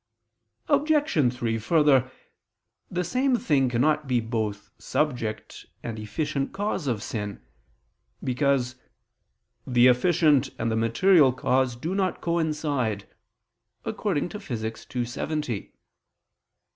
Obj. 3: Further, the same thing cannot be both subject and efficient cause of sin: because "the efficient and the material cause do not coincide" (Phys. 2, text. 70).